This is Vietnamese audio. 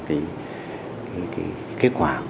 cái kết quả